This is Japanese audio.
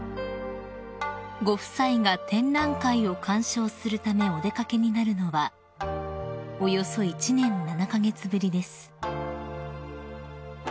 ［ご夫妻が展覧会を鑑賞するためお出掛けになるのはおよそ１年７カ月ぶりです］